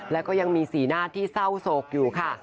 แล้วก็ยังมีสีหน้าที่เศร้าโศกอยู่ค่ะ